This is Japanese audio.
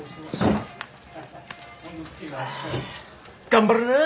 頑張るな。